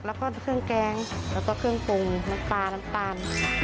แล้วก็เครื่องแกงแล้วก็เครื่องปรุงน้ำปลาน้ำตาล